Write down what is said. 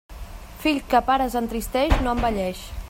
Fill que a pares entristeix, no envelleix.